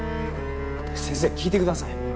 先生聞いてください！